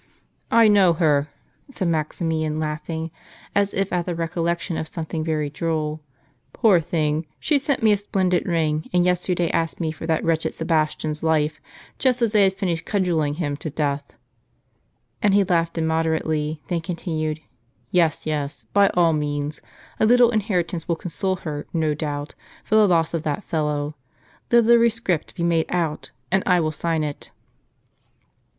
" I know her," said Maxim ian, laughing, as if at the recol lection of something very droll. " Poor thing ! she sent me a splendid ring, and yesterday asked me for that wretched Sebastian's life, just as they had finished cudgelling him to M^ ®trb r death." And he laughed immoderately, then continued: "Yes, yes, by all means; a little inheritance will console her, no doubt, for the loss of that fellow. Let a rescript be made out, and I will sign it."